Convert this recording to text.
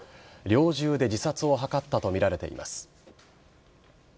猟銃で自殺を図ったとみられています。